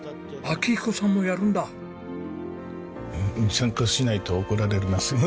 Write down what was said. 参加しないと怒られますので。